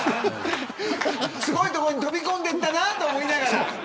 すごいところに飛び込んでいったなと思いながら。